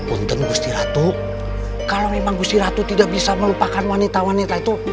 untung gustiratu kalau memang gusti ratu tidak bisa melupakan wanita wanita itu